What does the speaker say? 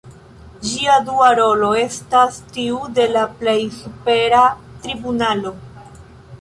Ĝia dua rolo estas tiu de la plej supera tribunalo.